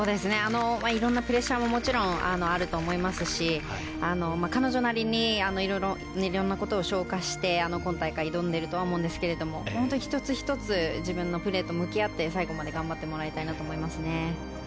いろんなプレッシャーももちろんあると思いますし彼女なりにいろんなことを消化して今大会、挑んでるとは思うんですけど１つ１つ自分のプレーと向き合って最後まで頑張ってもらいたいなと思いますね。